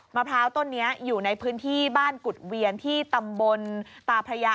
มะพร้าวต้นนี้อยู่ในพื้นที่บ้านกุฎเวียนที่ตำบลตาพระยา